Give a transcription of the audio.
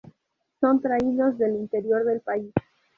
Son traídos del interior del país.